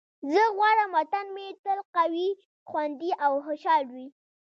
زه غواړم وطن مې تل قوي، خوندي او خوشحال وي.